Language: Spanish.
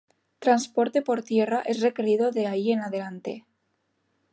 Transporte por tierra es requerido de ahí en adelante.